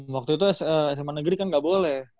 waktu itu sma negeri kan nggak boleh